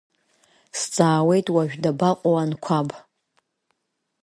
Сҵаауеит, уажә дабаҟоу, Анқәаб?